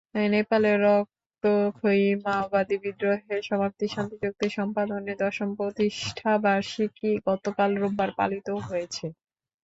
নেপালে রক্তক্ষয়ী মাওবাদী বিদ্রোহের সমাপ্তির শান্তিচুক্তি সম্পাদনের দশম প্রতিষ্ঠাবার্ষিকী গতকাল রোববার পালিত হয়েছে।